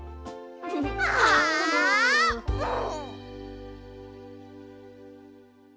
ああもう！